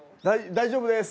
大丈夫です！